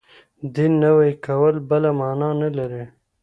دین نوی کول بله معنا نه لري.